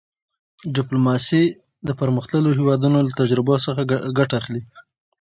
ډیپلوماسي د پرمختللو هېوادونو له تجربو څخه ګټه اخلي.